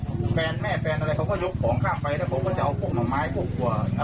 แล้วเขาก็จะเอาพวกหมังไม้พวกอะไรที่ปลูกฝั่งนู้นเอาข้ามมา